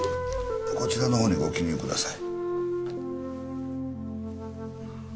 こちらの方にご記入ください